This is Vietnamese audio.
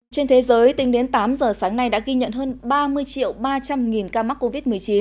trên thế giới tính đến tám giờ sáng nay đã ghi nhận hơn ba mươi triệu ba trăm linh nghìn ca mắc covid một mươi chín